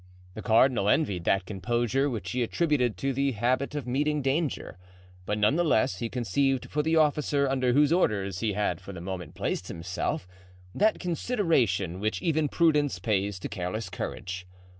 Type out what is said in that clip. The cardinal envied that composure, which he attributed to the habit of meeting danger; but none the less he conceived for the officer under whose orders he had for the moment placed himself, that consideration which even prudence pays to careless courage.